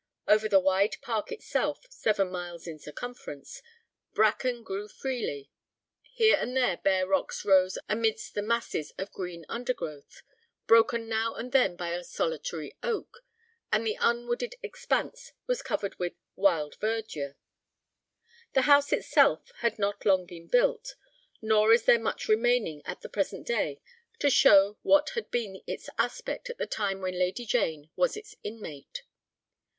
Over the wide park itself, seven miles in circumference, bracken grew freely; here and there bare rocks rose amidst the masses of green undergrowth, broken now and then by a solitary oak, and the unwooded expanse was covered with "wild verdure." The house itself had not long been built, nor is there much remaining at the present day to show what had been its aspect at the time when Lady Jane was its inmate.